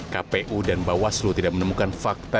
kpu dan bawaslu tidak menemukan fakta